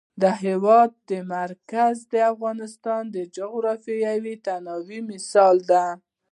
د هېواد مرکز د افغانستان د جغرافیوي تنوع مثال دی.